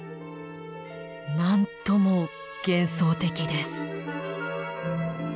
なんとも幻想的です。